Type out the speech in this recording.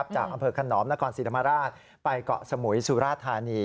จากอำเภิกคำนอมนครสิรธมาราชไปเกาะสมุยสุรทานี